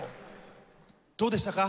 どうでしたか？